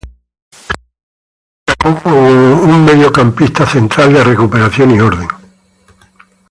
Se destacó como un mediocampista central de recuperación y orden.